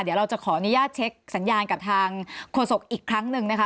เดี๋ยวเราจะขออนุญาตเช็คสัญญาณกับทางโฆษกอีกครั้งหนึ่งนะคะ